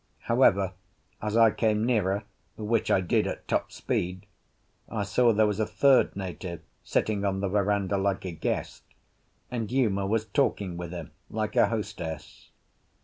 However, as I came nearer, which I did at top speed, I saw there was a third native sitting on the verandah like a guest, and Uma was talking with him like a hostess.